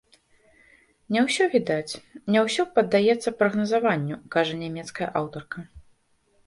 Не ўсё відаць, не ўсё паддаецца прагназаванню, кажа нямецкая аўтарка.